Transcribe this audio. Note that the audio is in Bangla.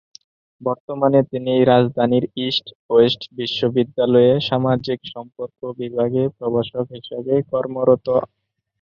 বর্তমানে তিনি রাজধানীর ইস্ট ওয়েস্ট বিশ্ববিদ্যালয়ে সামাজিক সম্পর্ক বিভাগে প্রভাষক হিসেবে কর্মরত।